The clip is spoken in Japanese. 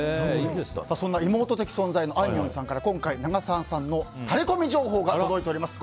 そんな妹的存在のあいみょんさんから今回、長澤さんのタレコミ情報が届いております。